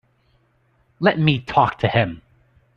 Let me talk to him.